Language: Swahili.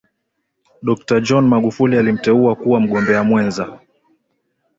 Dokta John Magufuli alimteua kuwa mgombea mwenza